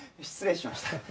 失礼しました。